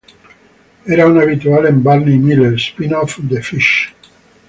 Él era un habitual en "Barney Miller" spinoff de "Fish".